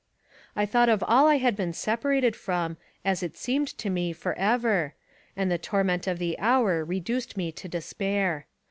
I thought of all I had been separated from, as it seemed to me, forever, and the torment of the hour reduced me to despair.